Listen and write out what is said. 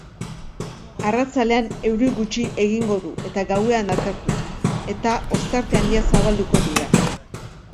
Arratsaldean euri gutxi egingo du eta gauean atertu eta ostarte handiak zabalduko dira.